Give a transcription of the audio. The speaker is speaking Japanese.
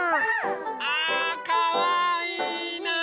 あかわいいなあ！